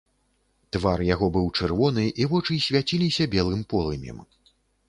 Твар яго быў чырвоны, і вочы свяціліся белым полымем.